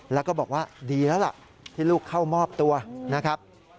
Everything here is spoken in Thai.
แล้วก็บอกว่าดีแล้วล่ะที่ลูกเข้ามอบตัวนะครับ